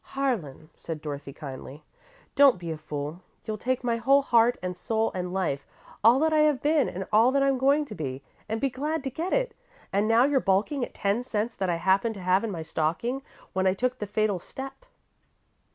"Harlan," said Dorothy, kindly, "don't be a fool. You'll take my whole heart and soul and life all that I have been and all that I'm going to be and be glad to get it, and now you're balking at ten cents that I happened to have in my stocking when I took the fatal step."